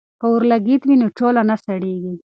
که اورلګیت وي نو چولہ نه سړیږي.